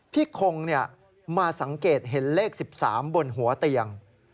คงมาสังเกตเห็นเลข๑๓บนหัวเตียง